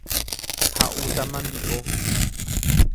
Ha'úta mandi'o.